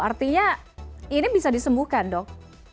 artinya ini bisa disembuhkan dok